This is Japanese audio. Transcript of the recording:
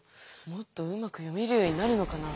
もっとうまく読めるようになるのかな？